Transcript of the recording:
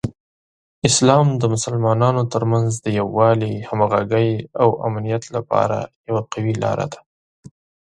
اسلام د مسلمانانو ترمنځ د یووالي، همغږۍ، او امنیت لپاره یوه قوي لاره ده.